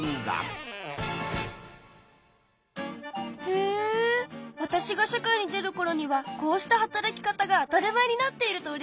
へえわたしが社会に出るころにはこうした働き方が当たり前になっているとうれしいなあ。